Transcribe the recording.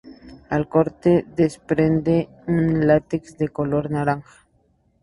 Al corte desprende un látex de color naranja.